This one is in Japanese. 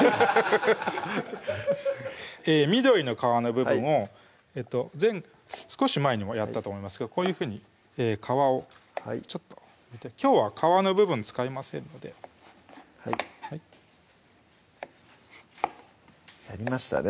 緑の皮の部分を少し前にもやったと思いますけどこういうふうに皮をちょっときょうは皮の部分使いませんのでやりましたね